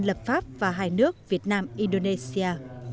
lập pháp và hai nước việt nam indonesia